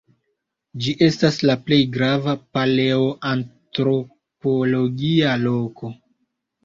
Ĝi estas la plej grava paleoantropologia loko.